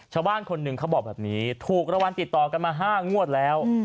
ชาวบ้านคนหนึ่งเขาบอกแบบนี้ถูกรางวัลติดต่อกันมา๕งวดแล้ว